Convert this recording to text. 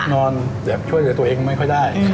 นอนเหลียมช่วยออกตัวเองว่าไม่ค่อยได้